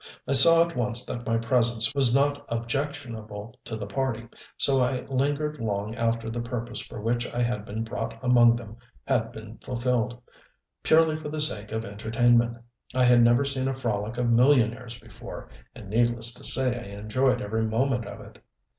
I saw at once that my presence was not objectionable to the party, so I lingered long after the purpose for which I had been brought among them had been fulfilled purely for the sake of entertainment. I had never seen a frolic of millionaires before, and needless to say I enjoyed every moment of it.